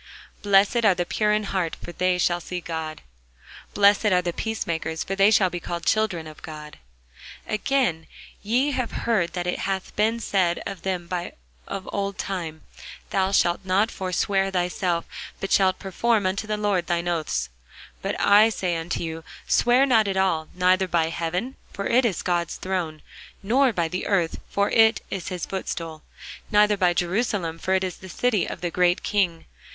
Blessed are the pure in heart: for they shall see God. Blessed are the peacemakers: for they shall be called the children of God. Again, ye have heard that it hath been said by them of old time, Thou shalt not forswear thyself, but shalt perform unto the Lord thine oaths. But I say unto you, Swear not at all; neither by heaven; for it is God's throne: nor by the earth; for it is his footstool: neither by Jerusalem; for it is the city of the great King.